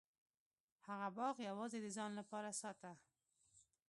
هغه باغ یوازې د ځان لپاره ساته.